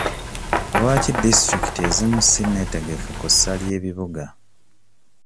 Lwaki disitulikiti ezimu sinnetegefu ku ssa ly'ebibuga?